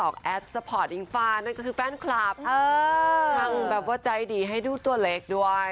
แบบแบบแบบแบบแบบ